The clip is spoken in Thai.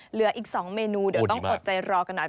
เหลืออีก๒เมนูเดี๋ยวต้องอดใจรอกันหน่อย